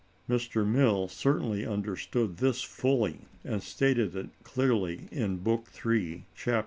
(Mr. Mill certainly understood this fully, and stated it clearly again in Book III, Chap.